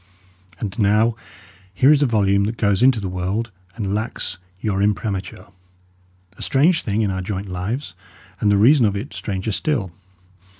And now here is a volume that goes into the world and lacks your imprimatur: a strange thing in our joint lives; and the reason of it stranger still!